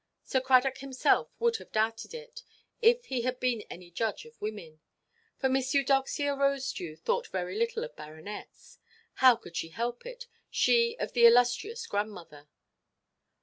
Sir Cradock himself would have doubted it, if he had been any judge of women; for Miss Eudoxia Rosedew thought very little of baronets. How could she help it, she of the illustrious grandmother?